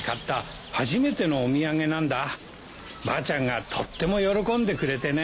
ばあちゃんがとっても喜んでくれてね。